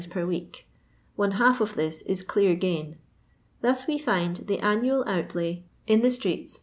per week ; one half of this is dear gain. Thus we find the annual outlay in THE BONE GRUBBER.